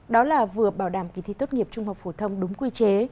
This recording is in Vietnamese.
đó là vừa bảo đảm kỳ thi tốt nghiệp trung học phổ thông đúng quy chế